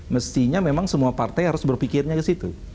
mestinya memang semua partai harus berpikirnya ke situ